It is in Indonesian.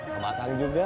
sama kang juga